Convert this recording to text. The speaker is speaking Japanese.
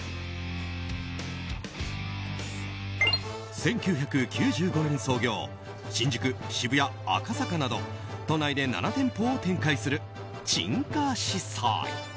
１９９５年創業新宿、渋谷、赤坂など都内で７店舗を展開する陳家私菜。